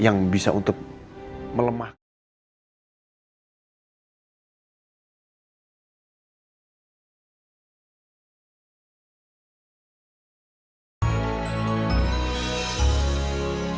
yang bisa untuk melemahkan